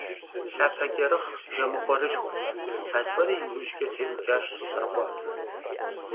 Lhapeç'erıxh - jjemıxhuerılhxu – a ts'eri yiujç'e tê'uç'aş Sosrıkhue.